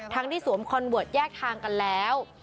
ที่สวมคอนเวิร์ตแยกทางกันแล้ว